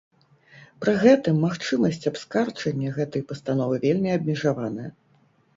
Пры гэтым магчымасць абскарджання гэтай пастановы вельмі абмежаваная.